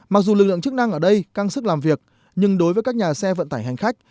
mặc dù lực lượng chức năng ở đây căng sức làm việc nhưng đối với các nhà xe vận tải hành khách